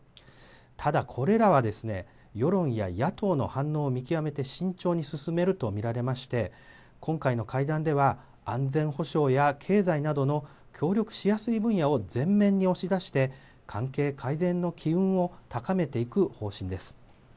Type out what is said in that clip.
ただ、これらは世論や野党の反応を見極めて慎重に進めると見られまして、今回の会談では、安全保障や経済などの協力しやすい分野を前面に押し出して、関係改善の機運を高めていく方針です。